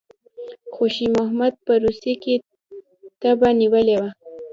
خوشي محمد په روسیې کې تبه نیولی وو.